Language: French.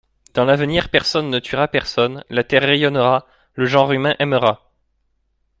Dans l'avenir personne ne tuera personne, la terre rayonnera, le genre humain aimera.